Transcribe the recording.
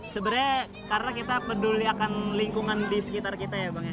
sebenarnya karena kita peduli akan lingkungan di sekitar kita ya bang ya